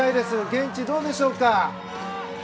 現地、どうでしょうか？